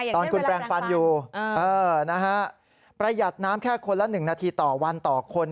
ตอนคุณแปลงฟันอยู่ประหยัดน้ำแค่คนละ๑นาทีต่อวันต่อคน